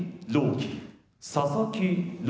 希佐々木朗